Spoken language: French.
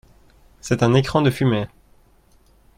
C’est un écran de fumée